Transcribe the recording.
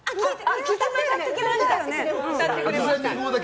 聴きましたよね！